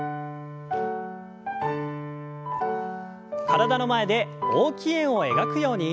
体の前で大きい円を描くように。